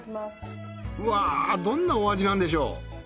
うわどんなお味なんでしょう。